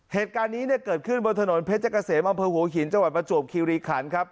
เหตุการณ์นี้เนี่ยเกิดขึ้นบนถนนเพชรเกษมอำเภอหัวหินจังหวัดประจวบคิริขันครับ